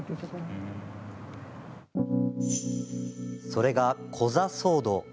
それが、コザ騒動。